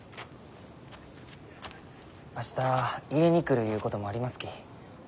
明日入れに来るゆうこともありますき。